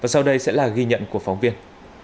sau đây sẽ là ghi nhận của phóng viên